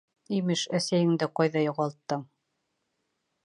Имеш, әсәйеңде ҡайҙа юғалттың?